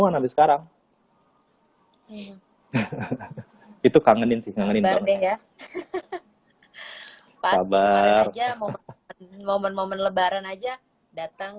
temuan habis sekarang itu kangenin sih kangenin ya pas kemarin aja momen momen lebaran aja datang